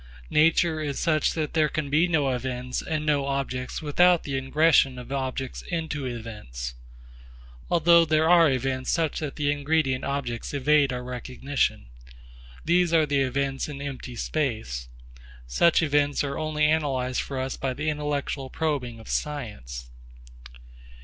Nature is such that there can be no events and no objects without the ingression of objects into events. Although there are events such that the ingredient objects evade our recognition. These are the events in empty space. Such events are only analysed for us by the intellectual probing of science.